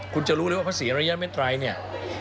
คุณจะรู้เลยว่าพระศรีอรุยะเมตรัย